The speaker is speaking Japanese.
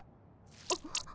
あっ。